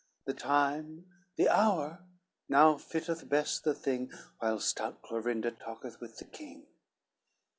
The time, the hour now fitteth best the thing, While stout Clorinda talketh with the king."